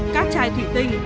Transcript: các chai thủy tinh